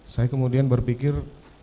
saya kemudian berpikir